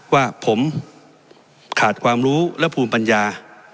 ว่าผมขาดความรู้และภูมิปัญญา